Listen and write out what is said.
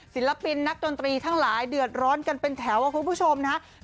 ศิลปินนักดนตรีทั้งหลายเดือดร้อนกันเป็นแถวคุณผู้ชมนะครับ